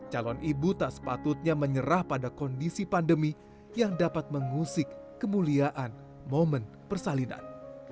calon ibu tak sepatutnya menyerah pada kondisi pandemi yang dapat mengusik kemuliaan momen persalinan